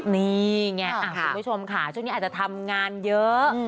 นี่ไงคุณผู้ชมค่ะช่วงนี้อาจจะทำงานเยอะ